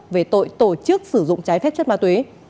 về tội tổ chức sử dụng trái phép chất ma túy